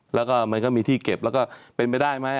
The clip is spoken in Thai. แล้วก็มันก็มีที่เก็บแล้วก็เป็นไปได้ไหม